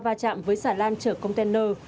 và chạm với xà lan chở container